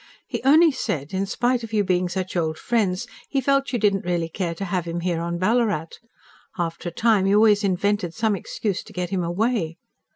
"He only said, in spite of you being such old friends he felt you didn't really care to have him here on Ballarat. After a time you always invented some excuse to get him away."